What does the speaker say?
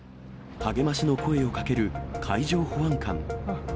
励ましの声をかける海上保安官。